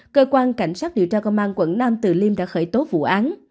cơ quan cảnh sát điều tra công an quận nam từ liêm đã khởi tố vụ án